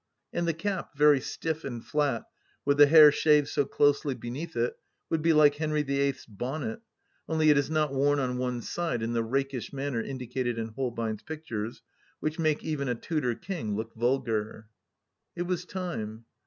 And the cap, very stiff and fiat, with the hair shaved so closely beneath it, would be like Henry the Eighth's bonnet, only it is not worn on one side in the rakish manner indicated in Holbein's pictures, which make even a Tudor king look vulgar. It was time.